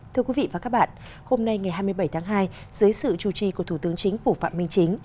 thưa quý vị và các bạn hôm nay ngày hai mươi bảy tháng hai dưới sự chủ trì của thủ tướng chính phủ phạm minh chính